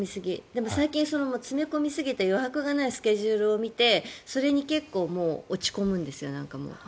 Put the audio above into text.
でも最近、詰め込みすぎて余白がないスケジュールを見てそれに結構もう、落ち込むんです。